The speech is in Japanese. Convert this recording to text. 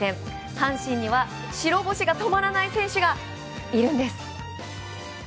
阪神には白星が止まらない選手がいるんです。